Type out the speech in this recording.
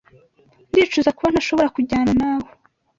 Ndicuza kuba ntashobora kujyana nawe.